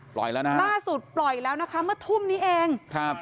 แล้วนะล่าสุดปล่อยแล้วนะคะเมื่อทุ่มนี้เองครับ